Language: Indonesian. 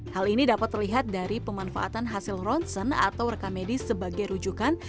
hal ini dapat terlihat dari pemanfaatan hasil ronsen atau rekamedis sebagai rujukan